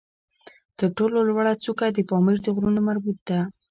تر ټولو لوړه څوکه د پامیر د غرونو مربوط ده